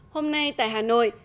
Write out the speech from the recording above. hôm nay tại hà nội